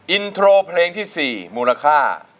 อินโทรเพลงที่๔มูลค่า